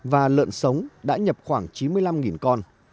và lợn sống đã nhập khoảng chín mươi năm con